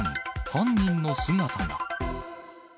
犯人の姿が。